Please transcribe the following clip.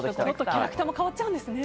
キャラクターも変わっちゃうんですね。